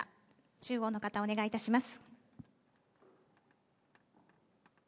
中央の方、お願いいたします。